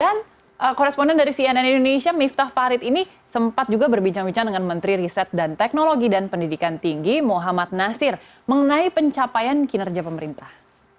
dan koresponden dari cnn indonesia miftah farid ini sempat juga berbincang bincang dengan menteri riset dan teknologi dan pendidikan tinggi muhammad nasir mengenai pencapaian kinerja pemerintah